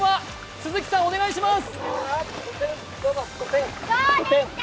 鈴木さん、お願いします。